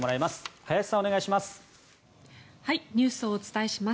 林さんお願いします。